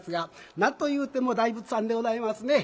何と言うても大仏さんでございますね。